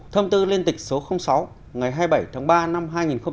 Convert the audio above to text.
thông tư liên tịch số sáu ngày hai mươi bảy tháng ba năm hai nghìn bảy